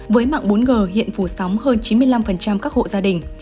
với mạng bốn g hiện phủ sóng hơn chín mươi năm các hộ gia đình